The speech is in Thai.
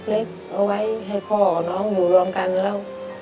เล็กเอาไว้ให้พ่อกับน้องอยู่รวมกันแล้ว